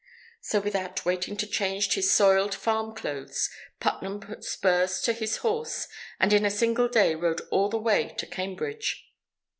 So without waiting to change his soiled farm clothes, Putnam put spurs to his horse and in a single day rode all the way to Cambridge.